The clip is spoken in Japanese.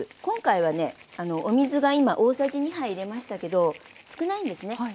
今回はねお水が今大さじ２杯入れましたけど少ないんですね。